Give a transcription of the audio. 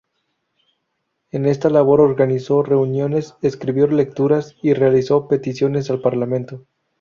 En esta labor organizó reuniones, escribió lecturas y realizó peticiones al Parlamento.